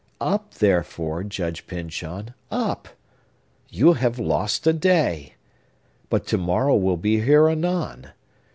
Up, therefore, Judge Pyncheon, up! You have lost a day. But to morrow will be here anon.